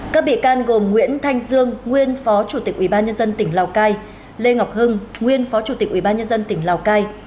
các bị can gồm nguyễn thanh dương nguyên phó chủ tịch ubnd tỉnh lào cai lê ngọc hưng nguyên phó chủ tịch ubnd tỉnh lào cai